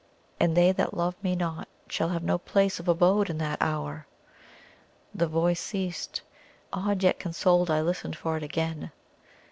And they that love me not shall have no place of abode in that hour!" The voice ceased. Awed, yet consoled, I listened for it again.